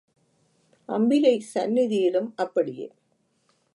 அம்பிகை சந்நிதியிலும் அப்படியே.